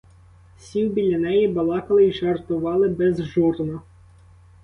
Сів біля неї, балакали й жартували безжурно.